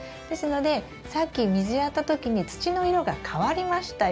ですのでさっき水やった時に土の色が変わりましたよね。